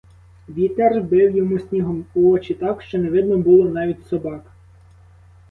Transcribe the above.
Вітер бив йому снігом у очі так, що не видно було навіть собак.